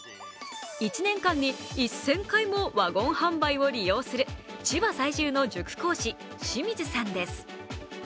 １年間に１０００回もワゴン販売を利用する千葉在住の塾講師・清水さんです。